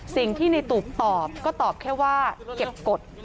สิ่งที่ในตูบตอบก็ตอบแค่ว่าเก็บกฎ